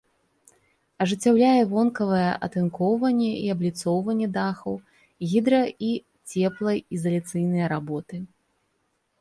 Ажыццяўляе вонкавае атынкоўванне і абліцоўванне дахаў, гідра- і цеплаізаляцыйныя работы.